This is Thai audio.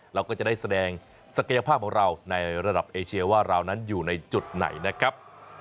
เราก็จะได้แสดงศักยภาพของเราในระดับเอเชียว่าเรานั้นอยู่ในจุดไหนนะครับ